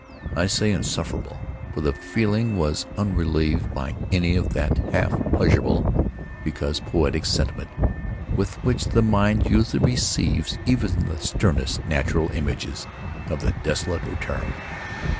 I say insufferable; for the feeling was unrelieved by any of that half pleasurable, because poetic, sentiment, with which the mind usually receives even the sternest natural images of the desolate or terrible.